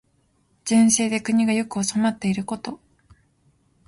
善政で国が良く治まっていること。